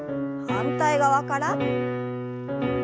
反対側から。